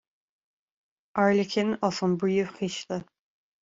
Airleacain as an bPríomh-Chiste.